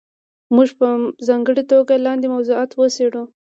موږ به په ځانګړې توګه لاندې موضوعات وڅېړو.